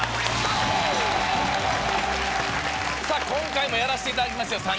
今回もやらせていただきますよ